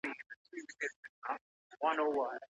نظري پوهه د عملي پوهي بنسټ دی.